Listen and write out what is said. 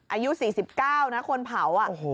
อายุ๔๙นะคนเผา